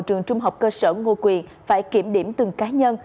trường trung học cơ sở ngô quyền phải kiểm điểm từng cá nhân